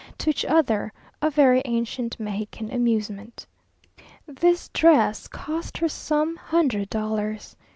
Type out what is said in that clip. to each other a very ancient Mexican amusement. This dress cost her some hundred dollars.